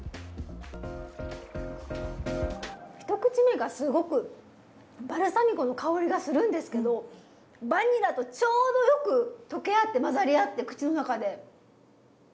一口目がすごくバルサミコの香りがするんですけどバニラとちょうどよく溶け合って混ざり合って口の中で。